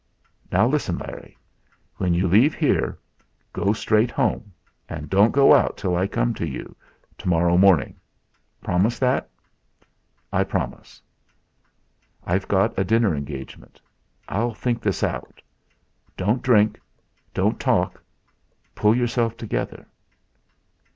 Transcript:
"Now, listen, Larry. When you leave here go straight home, and don't go out till I come to you, to morrow morning. Promise that!" "I promise." "I've got a dinner engagement. I'll think this out. Don't drink. Don't talk! Pull yourself together."